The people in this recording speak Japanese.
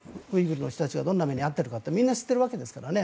ネットを見れば新疆でウイグルの人たちがどんな目に遭っているかってみんな知っているわけですからね。